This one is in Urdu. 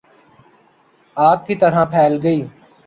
آگ کی طرح پھیل گئی